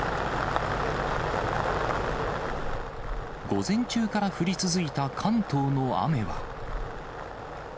午前中から降り続いた関東の雨は。